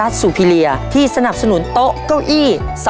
ทางโรงเรียนยังได้จัดซื้อหม้อหุงข้าวขนาด๑๐ลิตร